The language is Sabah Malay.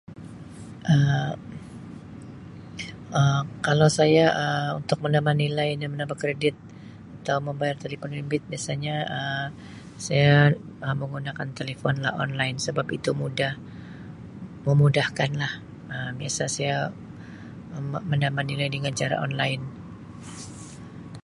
Um Kalau saya Um untuk menambah nilai dan menambah kredit atau membayar telefon bimbit biasanya Um saya Um menggunakan telefon lah online sebab itu mudah mememudahkan lah Um biasa saya menambah nilai dengan cara online.